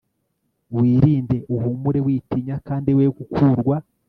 wirinde uhumure, witinya kandi we gukurwa